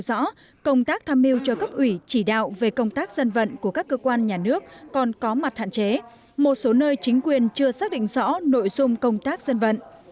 do công tác tham mưu cho cấp ủy chỉ đạo về công tác dân vận của các cơ quan nhà nước còn có mặt hạn chế một số nơi chính quyền chưa xác định rõ nội dung công tác dân vận